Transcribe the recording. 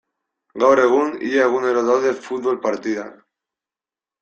Gaur egun ia egunero daude futbol partidak.